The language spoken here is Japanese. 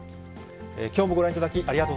きょうもご覧いただき、ありがと